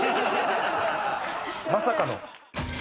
まさかの。